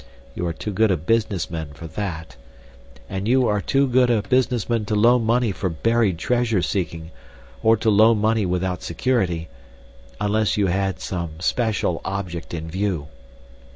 You are too good a businessman for that. And you are too good a businessman to loan money for buried treasure seeking, or to loan money without security—unless you had some special object in view.